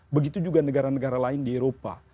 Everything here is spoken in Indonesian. begitu juga negara negara lain di eropa